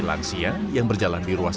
lansia yang berjalan di ruas